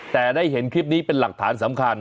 แต่ได้เห็นคลิปนี้เป็นหลักฐานสำคัญ